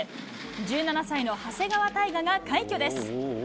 １７歳の長谷川帝勝が快挙です。